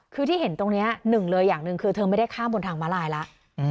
คือที่เห็นตรงนี้หนึ่งเลยอย่างหนึ่งคือเธอไม่ได้ข้ามบนทางมาลายแล้ว